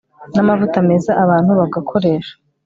namavuta maze abantu bagakoresha